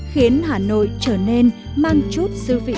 khiến hà nội trở nên mang chút dư vị